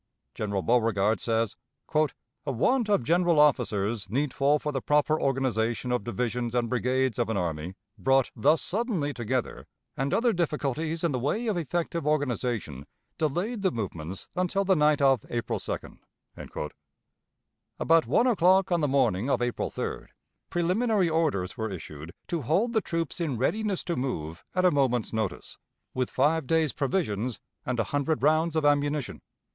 General Beauregard says, "A want of general officers needful for the proper organization of divisions and brigades of an army brought thus suddenly together, and other difficulties in the way of effective organization, delayed the movements until the night of April 2d." About one o'clock on the morning of April 3d preliminary orders were issued to hold the troops in readiness to move at a moment's notice, with five days' provisions and a hundred rounds of ammunition.